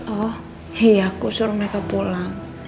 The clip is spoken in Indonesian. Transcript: oh iya aku suruh mereka pulang